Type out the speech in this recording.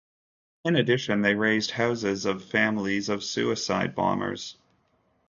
In addition they razed houses of families of suicide bombers.